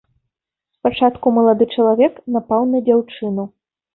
Спачатку малады чалавек напаў на дзяўчыну.